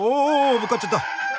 ぶつかっちゃった。